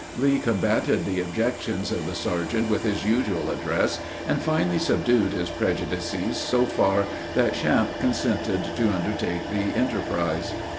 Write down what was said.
Lee combated the objections of the sergeant with his usual address, and finally subdued his prejudices so far, that Champe consented to undertake the enterprise.